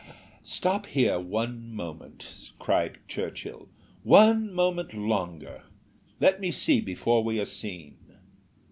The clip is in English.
"Stop here one moment," cried Churchill, "one moment longer. Let us see before we are seen.